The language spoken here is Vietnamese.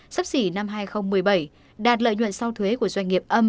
sắp xỉ năm hai nghìn một mươi bảy đạt lợi nhuận sau thuế của doanh nghiệp âm